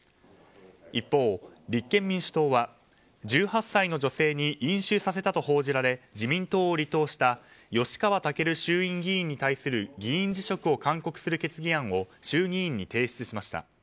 一方、立憲民主党は１８歳の女性に飲酒させたと報じられ自民党を離党した吉川赳衆院議員に対する議員辞職を勧告する決議案を衆議院に提出しました。